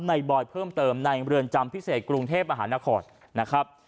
บอยเพิ่มเติมในเรือนจำพิเศษกรุงเทพมหานครนะครับ